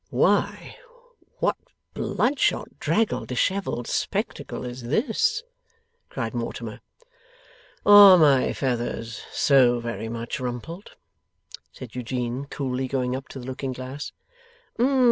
'Why what bloodshot, draggled, dishevelled spectacle is this!' cried Mortimer. 'Are my feathers so very much rumpled?' said Eugene, coolly going up to the looking glass.